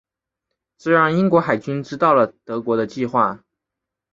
这让英国海军知道了德国的计划。